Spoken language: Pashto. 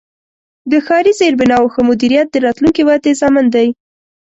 د ښاري زیربناوو ښه مدیریت د راتلونکې ودې ضامن دی.